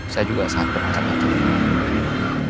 saya juga sangat berasa betul